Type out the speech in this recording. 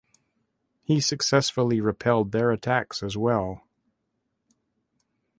He successfully repelled their attacks as well.